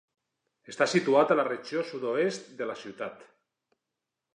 Està situat a la regió sud-oest de la ciutat.